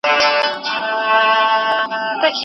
خپلو ماشومانو ته کتابونه واخلئ.